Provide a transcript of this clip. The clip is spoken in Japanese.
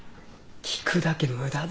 聞くだけ無駄だよ。